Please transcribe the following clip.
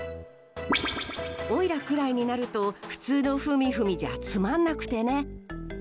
おいらくらいになると普通のフミフミじゃつまんなくてね。